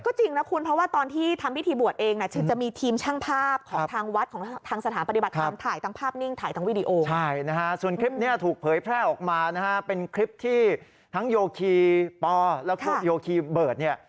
ออกมานะฮะเป็นคลิปที่ทั้งโยคีย์ป่อและโยคีย์เบิร์ดเนี่ย